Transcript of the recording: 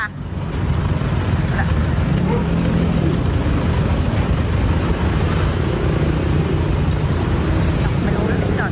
อะมันลงไปตะเฏราะจะลง